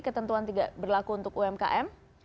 ketentuan tidak berlaku untuk umkm